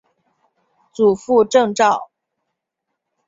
祖父郑肇。